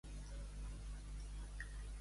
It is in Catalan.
Tanca el llum del balcó.